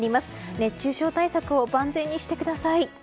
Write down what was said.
熱中症対策を万全にしてください。